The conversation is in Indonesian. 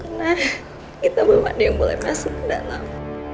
karena kita belum ada yang boleh masuk ke dalam